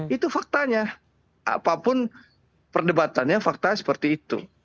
itu faktanya apapun perdebatannya faktanya seperti itu